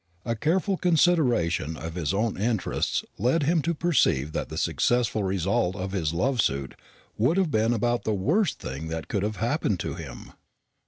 A careful consideration of his own interests led him to perceive that the successful result of his love suit would have been about the worst thing that could have happened to him.